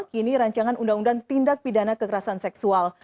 kini rancangan undang undang tindak pidana kekerasan seksual